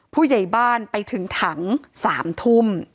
ผู้ใหญ่บ้านไปถึงถัง๓ทุ่ม